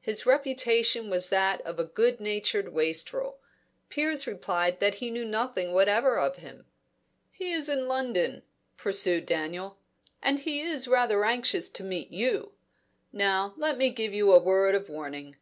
His reputation was that of a good natured wastrel. Piers replied that he knew nothing whatever of him. "He is in London," pursued Daniel, "and he is rather anxious to meet you. Now let me give you a word of warning.